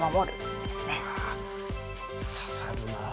刺さるな。